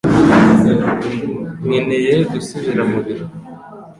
Nkeneye gusubira mu biro